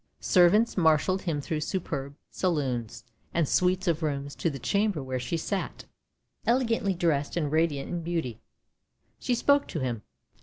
Servants marshalled him through superb saloons and suites of rooms to the chamber where she sat, elegantly dressed and radiant in beauty. She spoke to him.